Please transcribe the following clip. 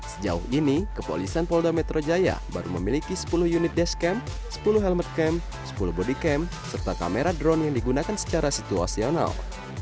sejauh ini kepolisan polda metro jaya baru memiliki sepuluh unit dashcam sepuluh helmetcam sepuluh bodycam serta kamera drone yang digunakan secara situasional